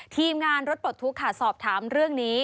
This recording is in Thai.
ทีมงานรถปลดทุกข์ค่ะสอบถามเรื่องนี้